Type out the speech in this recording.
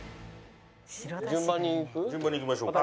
順番にいきましょうか。